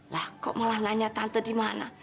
lah kok malah nanya tante dimana